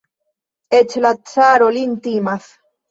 Eĉ la caro lin timas.